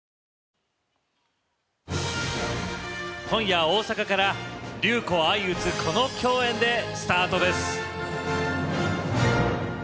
今夜、大阪から竜虎相打つこの共演でスタートです。